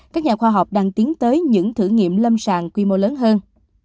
các nhà khoa học đang tiến tới những thử nghiệm lâm sàng quy mô lớn hơn